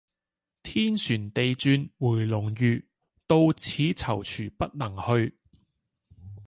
天旋地轉回龍馭，到此躊躇不能去。